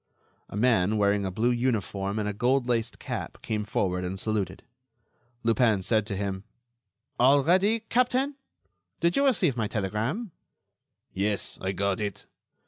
A man, wearing a blue uniform and a goldlaced cap, came forward and saluted. Lupin said to him: "All ready, captain? Did you receive my telegram?" "Yes, I got it."